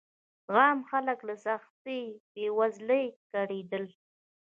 عام خلک له سختې بېوزلۍ کړېدل.